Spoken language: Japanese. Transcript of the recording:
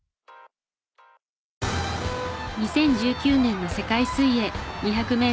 ２０１９年の世界水泳２００メートル